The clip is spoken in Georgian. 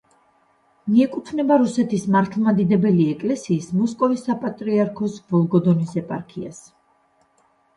მიეკუთვნება რუსეთის მართლმადიდებელი ეკლესიის მოსკოვის საპატრიარქოს ვოლგოდონის ეპარქიას.